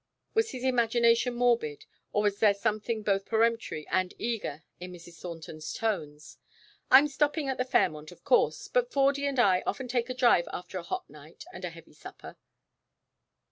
Was his imagination morbid, or was there something both peremptory and eager in Mrs. Thornton's tones? "I'm stopping at the Fairmont, of course, but Fordy and I often take a drive after a hot night and a heavy supper."